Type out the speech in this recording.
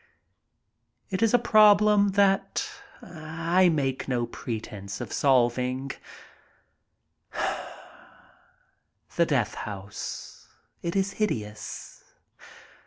It is a problem that I make no pretense of solving. BON VOYAGE 153 The death house. It is hideous.